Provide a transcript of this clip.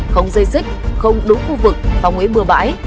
không dây xích không đúng khu vực phòng ế bừa bãi